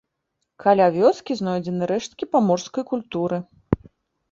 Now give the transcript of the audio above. Каля вёскі знойдзены рэшткі паморскай культуры.